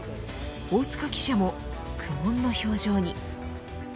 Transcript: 大塚記者も苦悶の表情に。